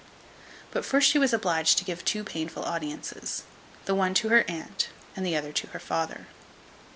But first she was obliged to give two painful audiences, the one to her aunt, and the other to her father.